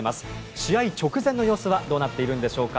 試合直前の様子はどうなっているんでしょうか。